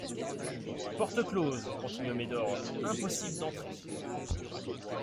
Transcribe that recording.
Porte close, continua Médor, impossible d'entrer.